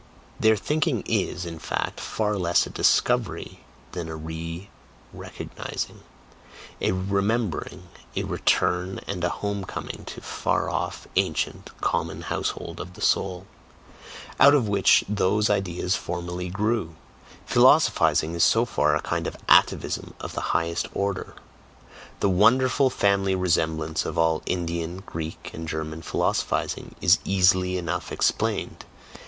Their thinking is, in fact, far less a discovery than a re recognizing, a remembering, a return and a home coming to a far off, ancient common household of the soul, out of which those ideas formerly grew: philosophizing is so far a kind of atavism of the highest order. The wonderful family resemblance of all Indian, Greek, and German philosophizing is easily enough explained.